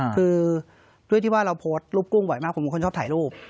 คือด้วยที่ว่าเราโพสต์รูปกุ้งบ่อยมากผมเป็นคนชอบถ่ายรูป